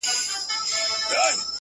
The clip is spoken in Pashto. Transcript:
• هم خوارځواكى هم په ونه ټيټ گردى وو ,